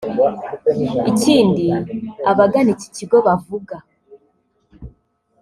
Ikindi abagana iki kigo bavuga